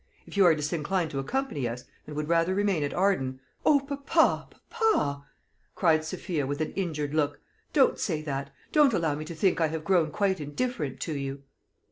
If you are disinclined to accompany us, and would rather remain at Arden " "O, papa, papa!" cried Sophia, with an injured look, "don't say that; don't allow me to think I have grown quite indifferent to you."